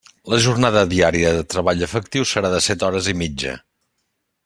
La jornada diària de treball efectiu serà de set hores i mitja.